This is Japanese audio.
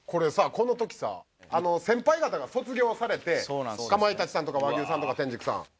この時さ先輩方が卒業されてかまいたちさんとか和牛さんとか天竺さん。